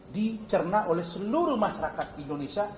dicerna oleh seluruh masyarakat indonesia